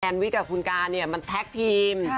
แคลนวิทย์กับคุณกาเนี่ยมันแท็กทีม